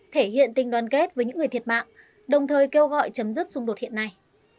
thể hiện tình đoàn kết với những người thiệt mạng đồng thời kêu gọi chấm dứt xung đột hiện nay